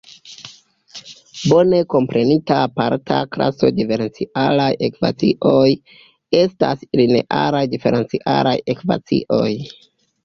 Bone komprenita aparta klaso de diferencialaj ekvacioj estas linearaj diferencialaj ekvacioj.